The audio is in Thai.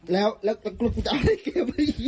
แล้วจะเอาละได้เก็บยังไง